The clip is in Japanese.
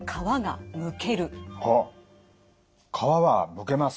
皮はむけます。